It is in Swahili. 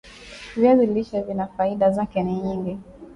viazi lishe vina faida zake ni nyingi